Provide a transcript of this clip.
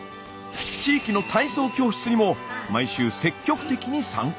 地域の体操教室にも毎週積極的に参加。